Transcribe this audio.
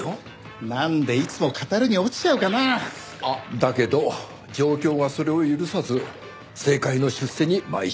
だけど状況がそれを許さず政界の出世に邁進した。